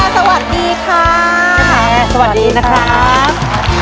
สุดค่ะสวัสดีครับ